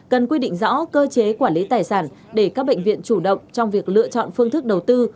cần quy định rõ cơ chế quản lý tài sản để các bệnh viện chủ động trong việc lựa chọn phương thức đầu tư